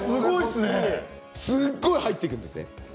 すごい入っていくんですね。